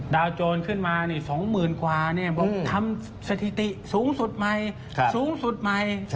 โจรขึ้นมา๒๐๐๐กว่าบอกทำสถิติสูงสุดใหม่สูงสุดใหม่